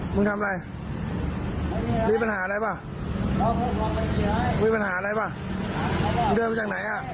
มึงทำอะไรมีปัญหาอะไรป่ะมีปัญหาอะไรป่ะมึงเดินมาจากไหนอ่ะ